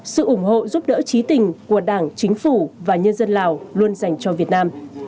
sự ủng hộ giúp đỡ trí tình của đảng chính phủ và nhân dân lào luôn dành cho việt nam